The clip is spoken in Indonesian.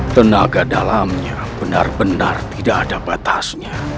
tenaga dalamnya benar benar tidak ada batasnya